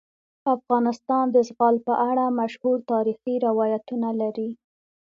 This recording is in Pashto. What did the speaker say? افغانستان د زغال په اړه مشهور تاریخی روایتونه لري.